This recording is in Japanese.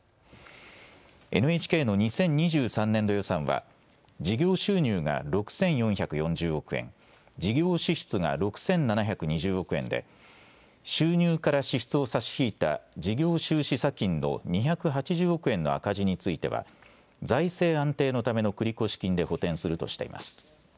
ＮＨＫの２０２３年度予算は事業収入が６４４０億円、事業支出が６７２０億円で収入から支出を差し引いた事業収支差金の２８０億円の赤字については財政安定のための繰越金で補填するとしています。